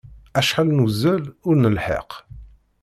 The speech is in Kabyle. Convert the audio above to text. Acḥal nuzzel, ur nelḥiq!